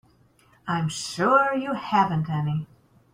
I'm sure you haven't any.